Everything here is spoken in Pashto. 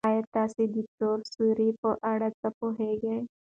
ایا تاسي د تور سوري په اړه څه پوهېږئ؟